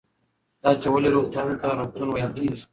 دا چې ولې روغتون ته روغتون ویل کېږي